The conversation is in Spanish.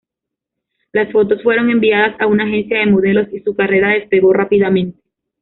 Las fotos fueron enviadas a una agencia de modelos y su carrera despegó rápidamente.